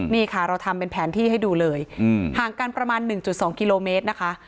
นี่ค่ะเราทำเป็นแผนที่ให้ดูเลยห่างกันประมาณ๑๒กิโลเมตรนะคะ